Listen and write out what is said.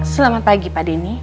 selamat pagi pak denny